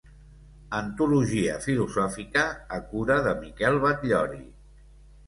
Antologia filosòfica, a cura de Miquel Batllori.